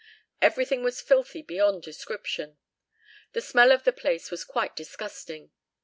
Everything was filthy beyond description. The smell of the place was quite disgusting.